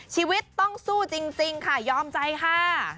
ชีวิตต้องสู้จริงค่ะยอมใจค่ะ